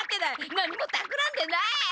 何もたくらんでない！